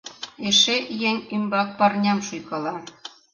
Эше еҥ ӱмбак парням шуйкала!